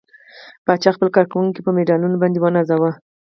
پاچا خپل کارکوونکي په مډالونو باندې ونازوه.